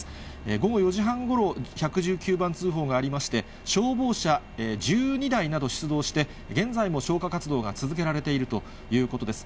午後４時半ごろ、１１９番通報がありまして、消防車１２台など出動して、現在も消火活動が続けられているということです。